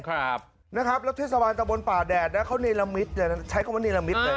ครับนะครับแล้วเทศบาลตะบนป่าแดดนะเขาเนรมิตอย่าใช้คำว่าเนรมิตเลย